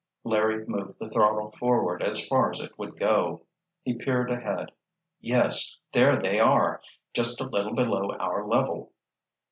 Larry moved the throttle forward as far as it would go. He peered ahead. "Yes! There they are! Just a little below our level."